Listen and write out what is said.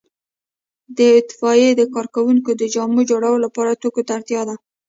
د اطفائیې د کارکوونکو د جامو جوړولو لپاره توکو ته اړتیا ده.